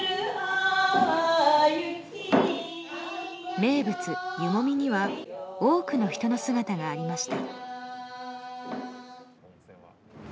名物・湯もみには多くの人の姿がありました。